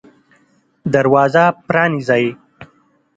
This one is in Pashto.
دروازه پرانیزئ